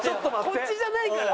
こっちじゃないから。